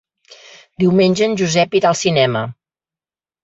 Diumenge en Josep irà al cinema.